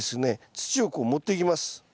土をこう盛っていきます。